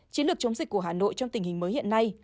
chiến lược chống dịch của hà nội trong tình hình mới hiện nay